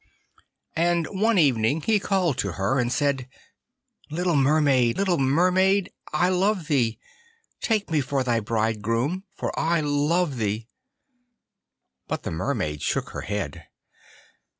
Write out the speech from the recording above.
And one evening he called to her, and said: 'Little Mermaid, little Mermaid, I love thee. Take me for thy bridegroom, for I love thee.' But the Mermaid shook her head.